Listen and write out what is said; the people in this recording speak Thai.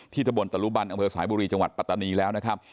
ตะบนตะลุบันอำเภอสายบุรีจังหวัดปัตตานีแล้วนะครับ